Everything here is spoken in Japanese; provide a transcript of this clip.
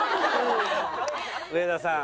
植田さん